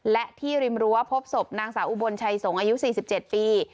และที่ริมรั้วพบศพนางสาอุบลชัยสงฯอายุสี่สิบเจ็ดปี